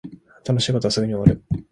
楽しい事はすぐに終わる